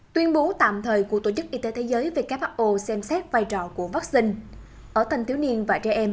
tuyên bố tạm thời của tổ chức y tế thế giới who xem xét vai trò của vaccine ở thanh thiếu niên và trẻ em